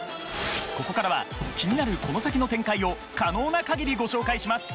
ここからは気になるこの先の展開を可能な限りご紹介します